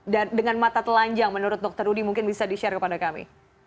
dan dengan mata telanjang menurut dokter udi mungkin bisa di share kepada kami